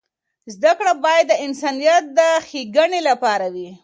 زده کړه باید د انسانیت د ښیګڼې لپاره وي.